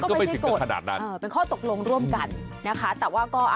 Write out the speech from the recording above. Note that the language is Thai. ก็ไม่ใช่ออกเป็นข้อตกลงร่วมกันนะคะนี่ก็ไม่ถึงกระสาทนั้น